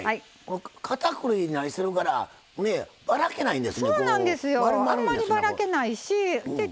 かたくりまぶしてるからばらけないんですね。